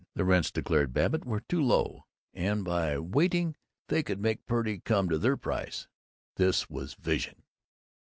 The rents, declared Babbitt, were too low; and by waiting they could make Purdy come to their price. (This was Vision.)